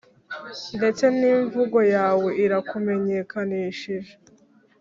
ndetse ni imvugo yawe irakumenyekanishije.